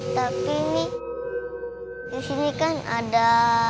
tapi ini di sini kan ada